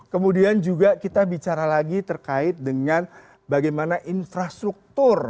kemudian juga kita bicara lagi terkait dengan bagaimana infrastruktur